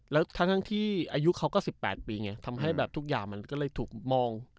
แล้วทั้งที่อายุเขาก็๑๘ปีไงทำให้แบบทุกอย่างมันก็เลยถูกมอง